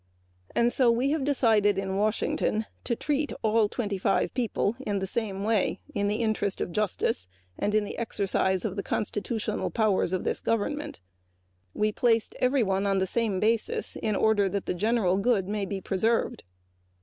We have decided to treat all twenty five in the same way in the interest of justice and the exercise of the constitutional powers of this government. We have placed everyone on the same basis in order that the general good may be preserved.